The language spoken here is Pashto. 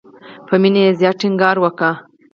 په مینه یې زیات ټینګار وکړ.